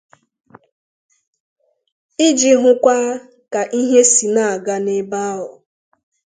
iji hụkwa ka ihe si aga n'ebe ahụ